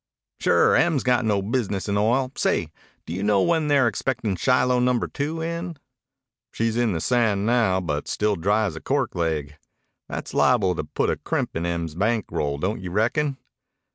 "Sure. Em's got no business in oil. Say, do you know when they're expectin' Shiloh Number Two in?" "She's into the sand now, but still dry as a cork leg. That's liable to put a crimp in Em's bank roll, don't you reckon?"